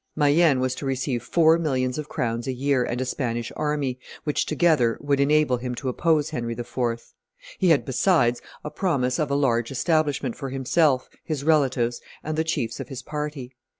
Mayenne was to receive four millions of crowns a year and a Spanish army, which together would enable him to oppose Henry IV. He had, besides, a promise of a large establishment for himself, his relatives, and the chiefs of his party.